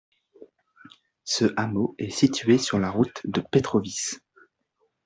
Ce hameau est situé sur la route de Petrovice.